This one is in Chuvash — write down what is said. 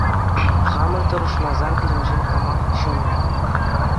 Хамӑр тӑрӑшмасан пирӗншӗн камах ҫунӗ?